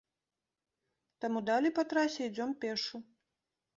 Таму далей па трасе ідзём пешшу.